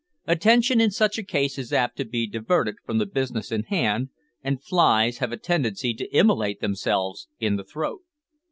Attention in such a case is apt to be diverted from the business in hand, and flies have a tendency to immolate themselves in the throat.